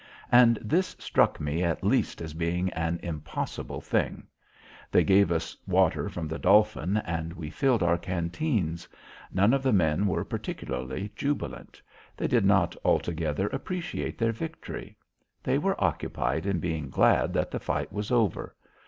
And this struck me at least as being an impossible thing. They gave us water from the Dolphin and we filled our canteens. None of the men were particularly jubilant. They did not altogether appreciate their victory. They were occupied in being glad that the fight was over.